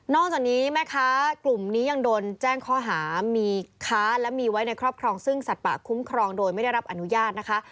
จากนี้แม่ค้ากลุ่มนี้ยังโดนแจ้งข้อหามีค้าและมีไว้ในครอบครองซึ่งสัตว์ป่าคุ้มครองโดยไม่ได้รับอนุญาตนะคะ